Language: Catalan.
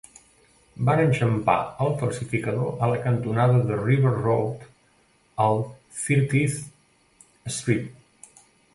Van enxampar el falsificador a la cantonada de River Road amb Thirtieth Street.